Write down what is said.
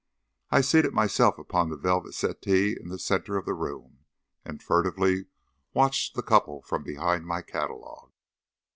I seated myself upon the velvet settee in the centre of the room, and furtively watched the couple from behind my catalogue.